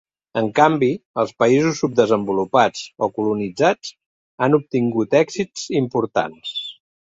En canvi, els països subdesenvolupats o colonitzats han obtingut èxits importants.